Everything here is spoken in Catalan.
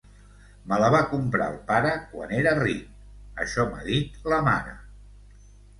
Me la va comprar el pare quan era ric... això m'ha dit la mare!